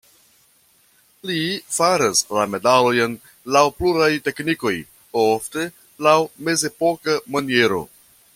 Li faras la medalojn laŭ pluraj teknikoj, ofte laŭ mezepoka maniero.